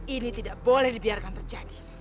ini tidak boleh dibiarkan terjadi